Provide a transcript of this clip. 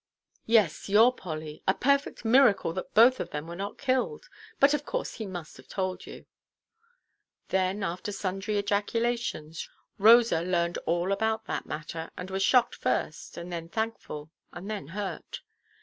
"Yes, your Polly. A perfect miracle that both of them were not killed. But, of course, he must have told you." Then, after sundry ejaculations, Rosa learned all about that matter, and was shocked first, and then thankful, and then hurt.